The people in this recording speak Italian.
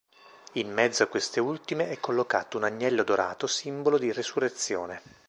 In mezzo a queste ultime è collocato un agnello dorato simbolo di resurrezione.